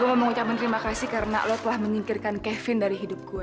gua mau mengucapkan terima kasih karena lo telah menyingkirkan kevin dari hidup gue